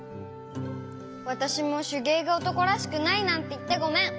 わたしもしゅげいがおとこらしくないなんていってごめん！